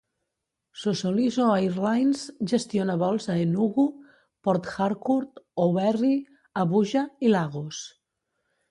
Sosoliso Airlines gestiona vols a Enugu, Port Harcourt, Owerri, Abuja i Lagos.